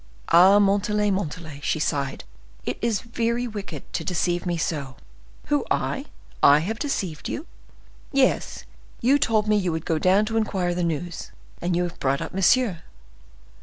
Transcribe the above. "Ah! Montalais!—Montalais!" she sighed, "it is very wicked to deceive me so." "Who, I? I have deceived you?" "Yes; you told me you would go down to inquire the news, and you have brought up monsieur!"